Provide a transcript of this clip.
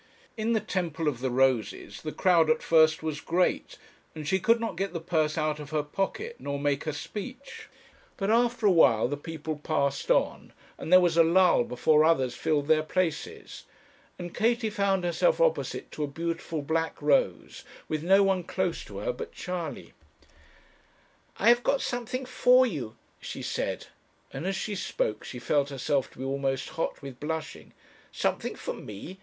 In the temple of the roses the crowd at first was great, and she could not get the purse out of her pocket, nor make her speech; but after a while the people passed on, and there was a lull before others filled their places, and Katie found herself opposite to a beautiful black rose, with no one close to her but Charley. 'I have got something for you,' she said; and as she spoke she felt herself to be almost hot with blushing. 'Something for me!'